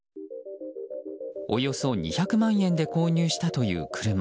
およそ２００万円で購入したという車。